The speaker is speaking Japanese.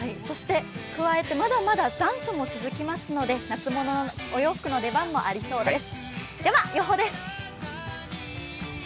加えて、まだまだ残暑も続きますので夏物のお洋服の出番もありそうです。